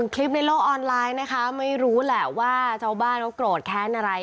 คลิปในโลกออนไลน์นะคะไม่รู้แหละว่าชาวบ้านเขาโกรธแค้นอะไร